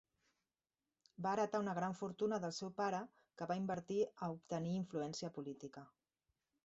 Va heretar una gran fortuna del seu pare que va invertir a obtenir influència política.